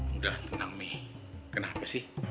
udah tenang nih kenapa sih